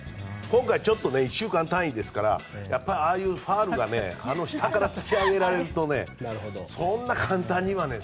今回ちょっと１週間単位ですからやっぱりああいうファウルが下から突き上げられるとそんな簡単にはね。